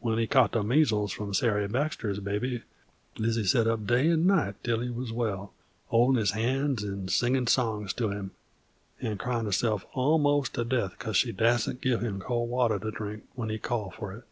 When he caught the measles from Sairy Baxter's baby Lizzie sot up day 'nd night till he wuz well, holdin' his hands 'nd singin' songs to him, 'nd cryin' herse'f almost to death because she dassent give him cold water to drink when he called f'r it.